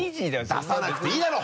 出さなくていいだろ！